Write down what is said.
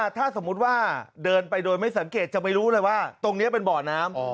ถ้าสมมุติว่าเดินไปโดยไม่สังเกตจะไปรู้เลยว่าตรงนี้เป็นบ่อน้ำ